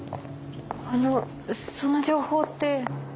あのその情報って。